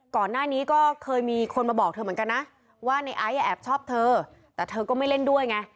ก่อนหน้านี้ก็เคยมีคนมาบอกเธอเหมือนกันนะว่าในไอซ์แอบชอบเธอแต่เธอก็ไม่เล่นด้วยไง